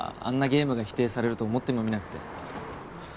ゲームが否定されると思ってもみなくてああ